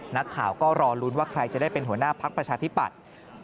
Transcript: นักข่าวก็รอลุ้นว่าใครจะได้เป็นหัวหน้าพักประชาธิปัตย์